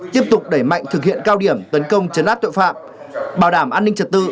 tiếp tục đẩy mạnh thực hiện cao điểm tấn công chấn áp tội phạm bảo đảm an ninh trật tự